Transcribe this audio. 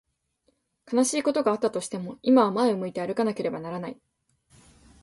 悲しいことがあったとしても、今は前を向いて歩かなければならない。